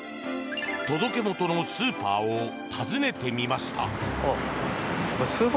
届け元のスーパーを訪ねてみました。